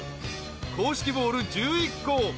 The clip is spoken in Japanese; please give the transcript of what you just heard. ［公式ボール１１個。